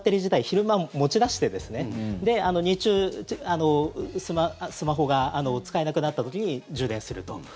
昼間、持ち出して日中、スマホが使えなくなった時に充電すると。